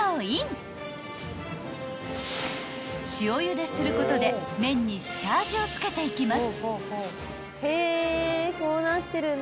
［塩ゆですることで麺に下味を付けていきます］